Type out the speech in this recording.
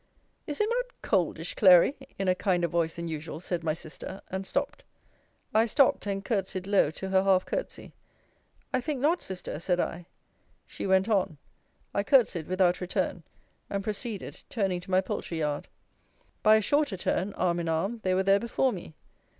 Is it not coldish, Clary! in a kinder voice than usual, said my sister, and stopped. I stopped and courtesied low to her half courtesy. I think not, Sister, said I. She went on. I courtesied without return; and proceeded, turning to my poultry yard. By a shorter turn, arm in arm, they were there before me.